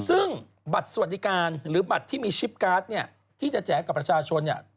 ซึ่งบัตรสวัสดิการหรือบัตรที่มีชิปการ์ดเนี่ยที่จะแจกกับประชาชนเนี่ย